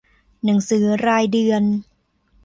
หนังสือรายเดือน